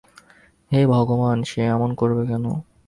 হে ভগবান - সে এমন করবে কেন?